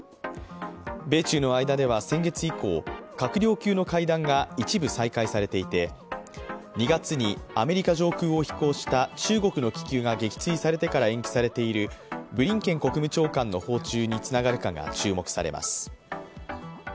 米中の間では先月以降、閣僚級の会談が一部再開されていて２月にアメリカ上空を飛行した中国の気球が撃墜されてから延期されているブリンケン国務長官の訪中につながるかが注目されます。